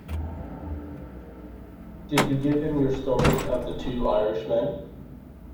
Did you give him your story of the two Irishmen?